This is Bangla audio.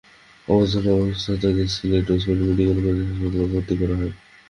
অবচেতন অবস্থায় তাঁকে সিলেট ওসমানী মেডিকেল কলেজ হাসপাতালে ভর্তি করা হয়।